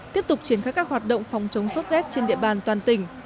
tiếp tục triển khai các hoạt động phòng chống sốt z trên địa bàn toàn tỉnh